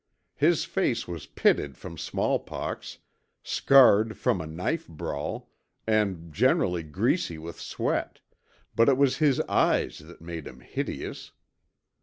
His face was pitted from smallpox, scarred from a knife brawl, and generally greasy with sweat, but it was his eyes that made him hideous.